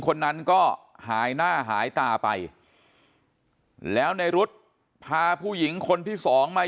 คนนั้นก็หายหน้าหายตาไปแล้วในรุ๊ดพาผู้หญิงคนที่สองมา